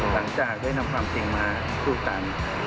หลังจากได้นำความจริงมาสู้กัน